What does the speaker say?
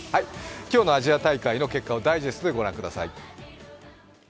今日のアジア大会の結果をダイジェストでご覧ください。